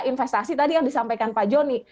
investasi tadi yang disampaikan pak joni